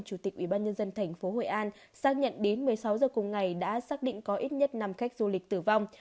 chủ tịch ubnd tp hội an xác nhận đến một mươi sáu giờ cùng ngày đã xác định có ít nhất năm khách du lịch tử vong